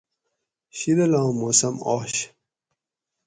شیدلاں موسم آش